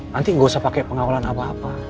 nanti gak usah pake pengawalan apa apa